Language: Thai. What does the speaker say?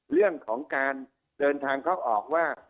เรื่องของการเดินทางเข้าออกว่า